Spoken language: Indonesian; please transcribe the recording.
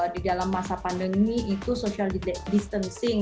di dalam masa pandemi itu social distancing